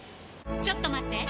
ちょっと待って！